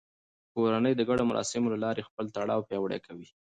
کورنۍ د ګډو مراسمو له لارې خپل تړاو پیاوړی کوي